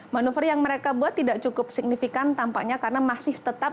manuver yang mereka buat tidak cukup signifikan tampaknya karena masih tetap